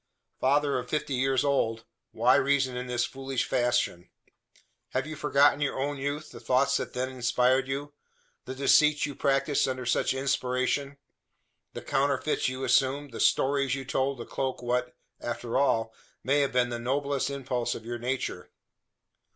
Father of fifty years old, why reason in this foolish fashion? Have you forgotten your own youth the thoughts that then inspired you the deceits you practised under such inspiration the counterfeits you assumed the "stories" you told to cloak what, after all, may have been the noblest impulse of your nature?